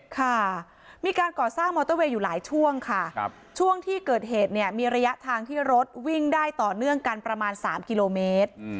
ค่ะมีการก่อสร้างมอเตอร์เวย์อยู่หลายช่วงค่ะช่วงที่เกิดเหตุเนี่ยมีระยะทางที่รถวิ่งได้ต่อเนื่องกันประมาณ๓กิโลเมตร